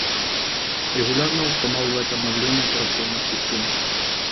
Регулярно устанавливать обновления операционных систем